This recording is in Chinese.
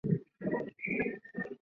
乳香酒被认为是马其顿的国酒。